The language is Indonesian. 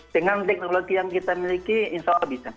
dengan teknologi yang kita miliki insya allah bisa